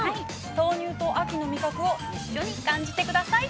豆乳と秋の味覚を一緒に感じてください。